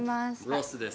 ロスです。